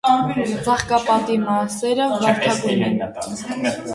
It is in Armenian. Ծաղկապատի մասերը վարդագույն են։